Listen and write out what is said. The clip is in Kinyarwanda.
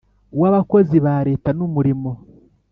W abakozi ba leta n umurimo